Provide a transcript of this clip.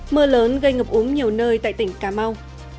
mưa lớn gây ngập úng nhiều nơi tại tỉnh cà mau